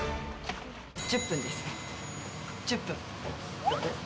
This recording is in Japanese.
１０分ですね、１０分。